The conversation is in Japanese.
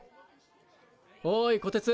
おいこてつ！